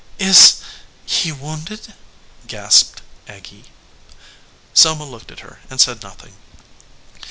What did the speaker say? "Is he wounded ?" gasped Aggy. Selma looked at her and said nothing.